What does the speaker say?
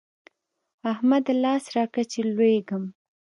احمده! لاس راکړه چې لوېږم.